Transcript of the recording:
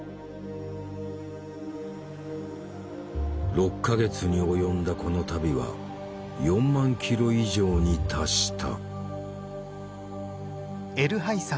６か月に及んだこの旅は４００００キロ以上に達した。